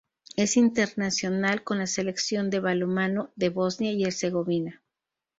Es internacional con la Selección de balonmano de Bosnia y Herzegovina.